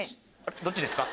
どっちですか？